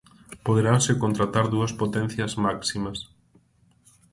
Poderanse contratar dúas potencias máximas.